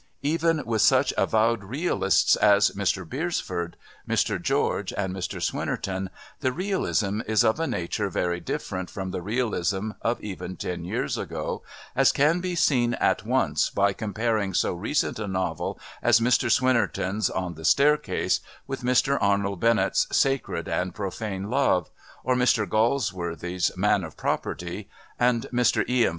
Even with such avowed realists as Mr Beresford, Mr George and Mr Swinnerton the realism is of a nature very different from the realism of even ten years ago, as can be seen at once by comparing so recent a novel as Mr Swinnerton's On the Staircase with Mr Arnold Bennett's Sacred and Profane Love, or Mr Galsworthy's Man of Property and Mr E. M.